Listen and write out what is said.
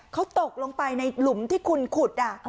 เขาตกลงไปในหลุมที่คุณขุด